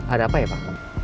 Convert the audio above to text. ada apa ya pak